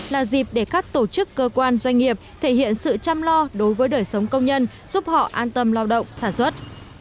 là dịp để các tổ chức cơ quan doanh nghiệp thể hiện sự chăm lo đối với đời sống công nhân giúp họ an tâm lao động sản xuất